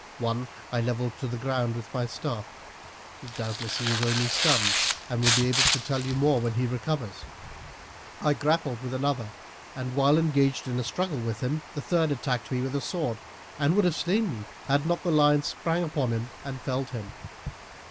One I levelled to the ground with my staff; doubtless he is only stunned and will be able to tell you more when he recovers. I grappled with another, and while engaged in a struggle with him the third attacked me with a sword, and would have slain me had not the lion sprang upon him and felled him.